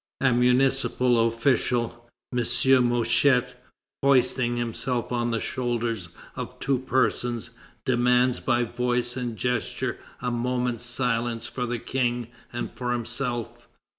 A municipal official, M. Mouchet, hoisting himself on the shoulders of two persons, demands by voice and gesture a moment's silence for the King and for himself.